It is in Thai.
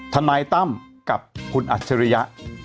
ทนายตั้มกับคุณอัจฉริยะ